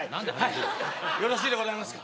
よろしいでございますか。